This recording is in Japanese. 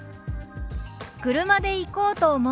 「車で行こうと思う」。